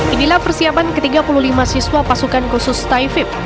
inilah persiapan ke tiga puluh lima siswa pasukan khusus taifib